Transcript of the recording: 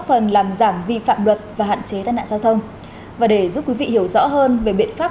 phần làm giảm vi phạm luật và hạn chế tai nạn giao thông và để giúp quý vị hiểu rõ hơn về biện pháp